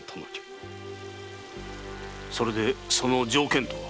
それでその条件とは？